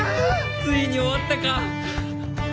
ついに終わったか！